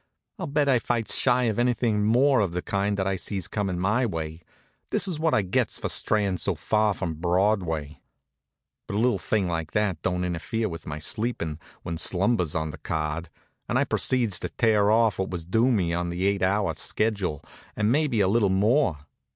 "I'll bet I fights shy of anything more of the kind that I sees comin' my way. This is what I gets for strayin' so far from Broadway." But a little thing like that don't interfere with my sleepin', when slumber's on the card, and I proceeds to tear off what was due me on the eight hour sched., and maybe a little more.